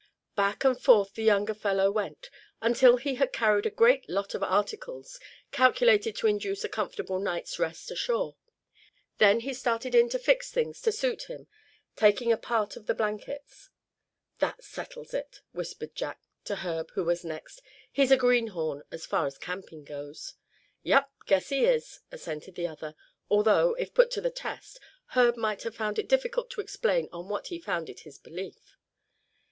Back and forth the younger fellow went, until he had carried a great lot of articles, calculated to induce a comfortable night's rest ashore. Then he started in to fix things to suit him, taking a part of the blankets. "That settles it," whispered Jack, to Herb, who was next, "he's a greenhorn, as far as camping goes." "Yep, guess he is," assented the other, although, if put to the test, Herb might have found it difficult to explain on what he founded his belief.